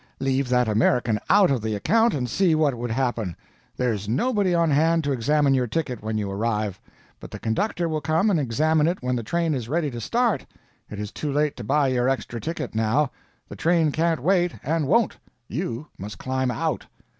Leave that American out of the account and see what would happen. There's nobody on hand to examine your ticket when you arrive. But the conductor will come and examine it when the train is ready to start. It is too late to buy your extra ticket now; the train can't wait, and won't. You must climb out."